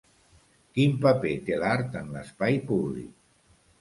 Quin paper té l’art en l’espai públic?